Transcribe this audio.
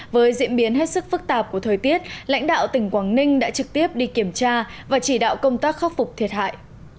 với diễn biến hết sức phức tạp của thời tiết lãnh đạo tỉnh quảng ninh đã trực tiếp đi kiểm tra và chỉ đạo công tác khắc phục thiệt hại